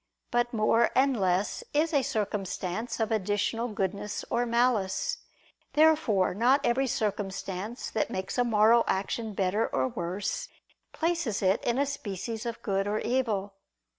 But more and less is a circumstance of additional goodness or malice. Therefore not every circumstance that makes a moral action better or worse, places it in a species of good or evil.